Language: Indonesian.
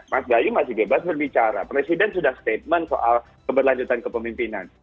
mas bayu masih bebas berbicara presiden sudah statement soal keberlanjutan kepemimpinan